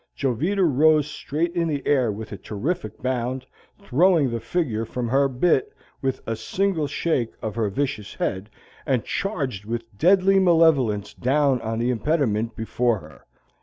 Jovita rose straight in the air with a terrific bound, throwing the figure from her bit with a single shake of her vicious head, and charged with deadly malevolence down on the impediment before her.